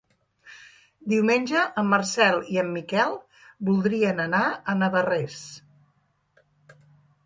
Diumenge en Marcel i en Miquel voldrien anar a Navarrés.